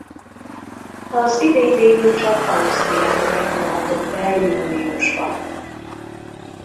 Az idény végül csak Ausztriában indulhatott el júliusban.